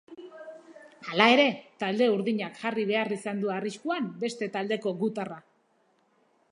Hala ere, talde urdinak jarri behar izan du arriskuan beste taldeko gutarra.